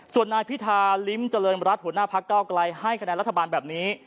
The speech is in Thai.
ส่วนนายพิธาลิ้มเจริญรัฐหัวหน้าพักเก้าไกลให้คะแนนรัฐบาลแบบนี้